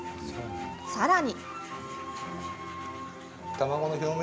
さらに。